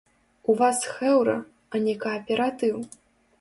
У вас хэўра, а не кааператыў!